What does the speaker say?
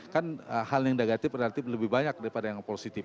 kan hal yang negatif relatif lebih banyak daripada yang positif